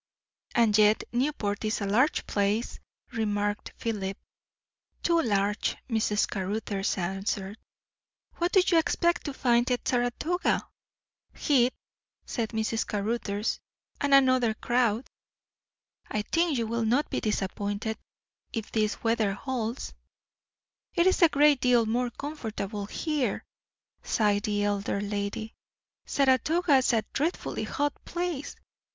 "And yet Newport is a large place," remarked Philip. "Too large," Mrs. Caruthers answered. "What do you expect to find at Saratoga?" "Heat," said Mrs. Caruthers; "and another crowd." "I think you will not be disappointed, if this weather holds." "It is a great deal more comfortable here!" sighed the elder lady. "Saratoga's a dreadfully hot place!